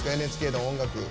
ＮＨＫで音楽。